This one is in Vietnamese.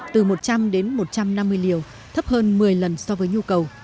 từ một trăm linh đến một trăm năm mươi liều thấp hơn một mươi lần so với nhu cầu